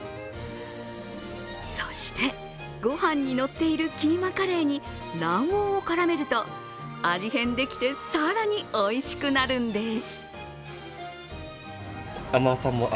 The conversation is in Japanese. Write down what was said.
そしてご飯にのっているキーマカレーに卵黄を絡めると味変できて更においしくなるんです。